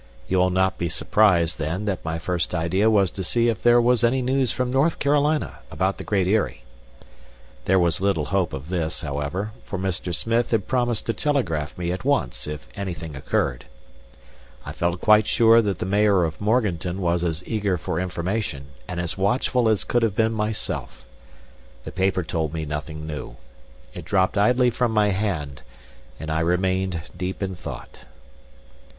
You will not be surprised, then, that my first idea was to see if there was any news from North Carolina about the Great Eyrie. There was little hope of this, however, for Mr. Smith had promised to telegraph me at once if anything occurred. I felt quite sure that the mayor of Morganton was as eager for information and as watchful as could have been myself. The paper told me nothing new. It dropped idly from my hand; and I remained deep in thought.